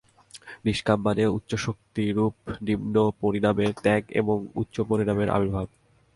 নিষ্কাম মানে ইচ্ছাশক্তিরূপ নিম্ন পরিণামের ত্যাগ এবং উচ্চ পরিণামের আবির্ভাব।